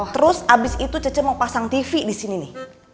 terus abis itu cece mau pasang tv disini nih